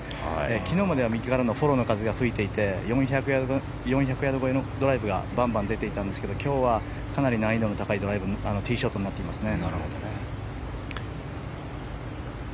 昨日までは右からのフォローの風が吹いていて４００ヤード越えのドライブがバンバン出ていたんですが今日はかなり難易度の高いティーショットになってますね。